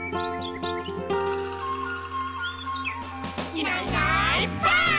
「いないいないばあっ！」